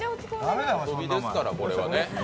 遊びですから、これはね。